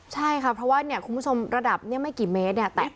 ใช่ค่ะเพราะว่าเนี่ยคุณผู้ชมระดับกี่เมตรเนี่ยแตะพื้นแล้ว